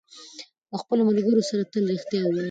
له خپلو ملګرو سره تل رښتیا ووایئ.